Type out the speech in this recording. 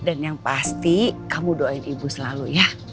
dan yang pasti kamu doain ibu selalu ya